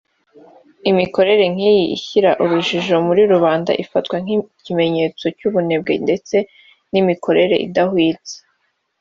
Imikorere nk’iyi ishyira urujijo muri rubanda ifatwa nk’ikimenyetso cy’ubunebwe ndetse n’imikorere idahwitse